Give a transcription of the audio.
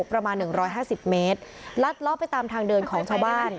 ประมาณหนึ่งร้อยห้าสิบเมตรลัดล้อไปตามทางเดินของชาวบ้าน